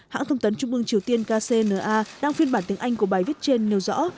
hãng thông tấn trung ương triều tiên kcna đăng phiên bản tiếng anh của bài viết trên nêu rõ